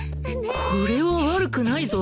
これは悪くないぞ！